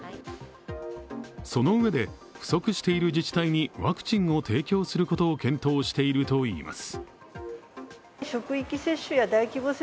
そのうえで不足している自治体にワクチンを提供することを検討しているといいます。